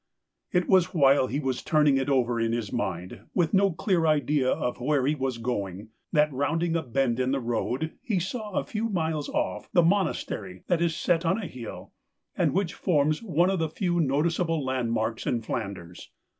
It was while he was turning it over in his mind, with no clear idea of where he was going, that, rounding a bend in the road, he saw a few miles off the monastery that is set on a hill, and which forms one of the few noticeable landmarks in Flanders.